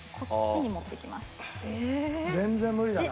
全然無理だな俺。